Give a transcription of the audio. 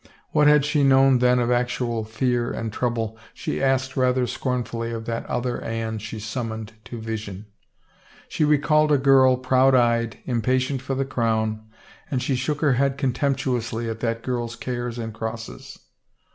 What had she known then of actual fear and trouble, she asked rather scornfully of that other Anne she summoned to vision. She recalled a girl, proud eyed, impatient for the crown, and she shook her head contemptuously at that girl's cares and crosses.